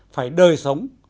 phải đời sống